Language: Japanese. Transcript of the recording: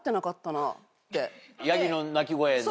ヤギの鳴き声の？